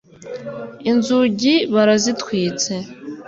inzugi barazitwitse